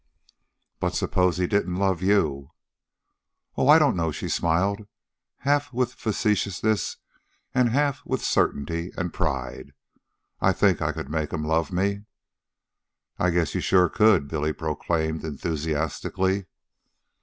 "But suppose he didn't love you?" "Oh, I don't know," she smiled, half with facetiousness and half with certainty and pride. "I think I could make him love me." "I guess you sure could," Billy proclaimed enthusiastically.